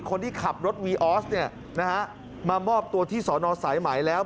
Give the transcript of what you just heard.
คนที่ขับรถวีออสน่ะมามอบตัวที่สอนอสไสหมายแล้ว